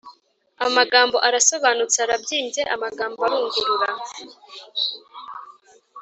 amagambo arasobanutse, arabyimbye, amagambo arungurura